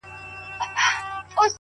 o خداى دي ساته له بــېـلــتــــونـــــه،